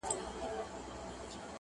پر ځای رښتني خو محدودي مبارکي غوره کړو